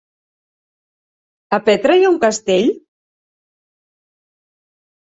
A Petra hi ha un castell?